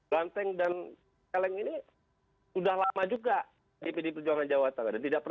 banteng dan eleng ini sudah lama juga di pd perjuangan jawa tengah